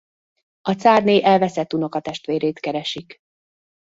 A cárné elveszett unokatestvérét keresik.